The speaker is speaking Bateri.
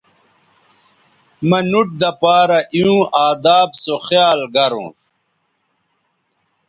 مہ نُوٹ دہ پارہ ایوں اداب سو خیال گرونݜ